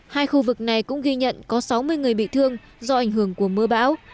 hai khu vực này cũng ghi nhận có sáu mươi người bị thương do ảnh hưởng của mưa bão